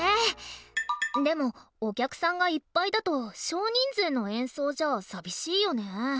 でもお客さんがいっぱいだと少人数の演奏じゃ寂しいよね？